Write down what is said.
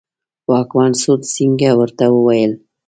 واکمن سورت سینګه ورته وویل.